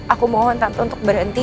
aku mohon tante untuk berhenti